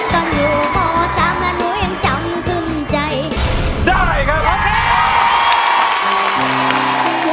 ต้องอยู่หมอสามกันหรือยังจำคืนใจได้ครับ